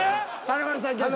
華丸さん逆。